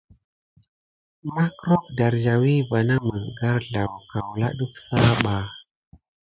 Makkrok dariawi va na məs garzlaw kawla ɗəf sah ɓa.